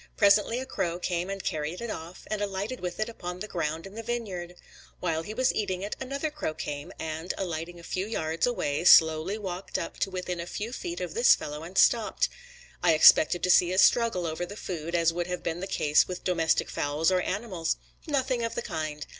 Presently a crow came and carried it off, and alighted with it upon the ground in the vineyard. While he was eating it, another crow came, and, alighting a few yards away, slowly walked up to within a few feet of this fellow and stopped. I expected to see a struggle over the food, as would have been the case with domestic fowls or animals. Nothing of the kind.